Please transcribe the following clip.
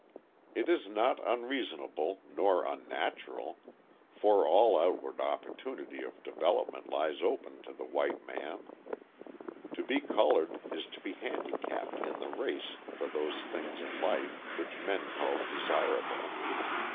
It is not unreasonable, nor unnatural, for all outward opportunity of development lies open to the white man. To be coloured is to be handicapped in the race for those things in life which men call desirable.